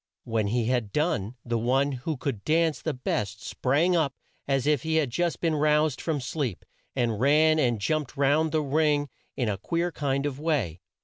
When he had done, the one who could dance the best sprang up as if he had just been roused from sleep, and ran and jumped round the ring in a queer kind of way.